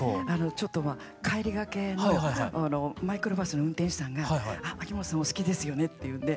ちょっと帰りがけのマイクロバスの運転手さんが秋元さんお好きですよねっていうんで。